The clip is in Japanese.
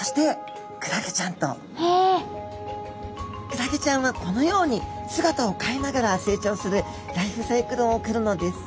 クラゲちゃんはこのように姿を変えながら成長するライフサイクルを送るのです。